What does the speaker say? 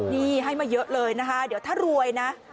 นี่ให้มาเยอะเลยนะคะเดี๋ยวถ้ารวยนะ